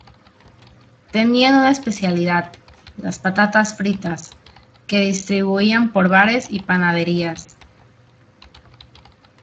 Tenían una especialidad, las patatas fritas, que distribuían por bares y panaderías.